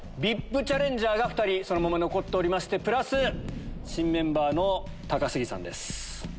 ＶＩＰチャレンジャーが２人そのまま残っておりましてプラス新メンバーの高杉さんです。